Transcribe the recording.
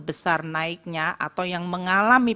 besar naiknya atau yang mengalami